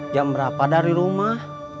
jam berapa dari rumah